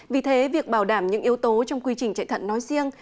vì thế việc bảo đảm những yếu tố trong quy trình chạy thận nói riêng